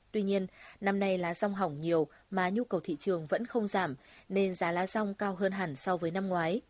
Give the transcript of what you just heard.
tuy nhiên năm nay lá rong hỏng nhiều mà nhu cầu thị trường vẫn không giảm nên giá lá rong cao hơn hẳn so với năm ngoái